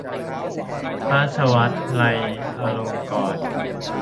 ราชภัฏวไลยอลงกรณ์